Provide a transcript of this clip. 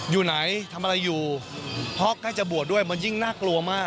อยู่ไหนทำอะไรอยู่เพราะใกล้จะบวชด้วยมันยิ่งน่ากลัวมาก